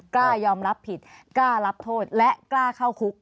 กล้ายอมรับผิดกล้ารับโทษและกล้าเข้าคุก